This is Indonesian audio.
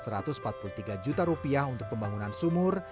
rp satu ratus empat puluh tiga juta rupiah untuk pembangunan sumur